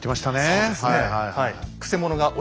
そうですねはい。